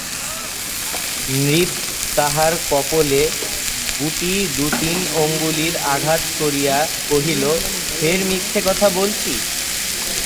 নৃপ তাহার কপোলে গুটি দু-তিন অঙ্গুলির আঘাত করিয়া কহিল, ফের মিথ্যে কথা বলছিস?